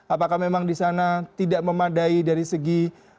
apakah memang di sana tidak memadai dari segi